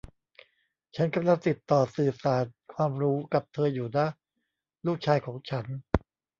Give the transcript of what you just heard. ฉันกำลังติดต่อสื่อสารความรู้กับเธออยู่นะ ลูกชายของฉัน